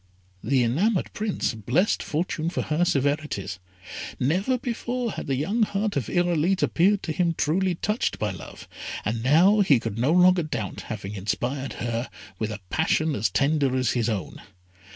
The enamoured Prince blessed Fortune for her severities; never before had the young heart of Irolite appeared to him truly touched by love, and now he could no longer doubt having inspired her with a passion as tender as his own.